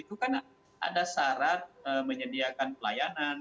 itu kan ada syarat menyediakan pelayanan